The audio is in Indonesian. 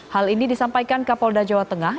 hal ini disampaikan ke polda jawa tengah